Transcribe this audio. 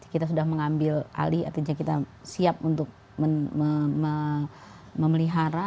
kita sudah mengambil alih artinya kita siap untuk memelihara